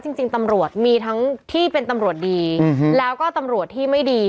จริงตำรวจมีทั้งที่เป็นตำรวจดีแล้วก็ตำรวจที่ไม่ดี